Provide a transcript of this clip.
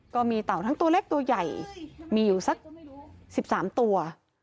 เต่าทั้งตัวเล็กตัวใหญ่มีอยู่สัก๑๓ตัว